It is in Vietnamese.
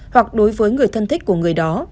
hoặc đối với người thân thích của người đó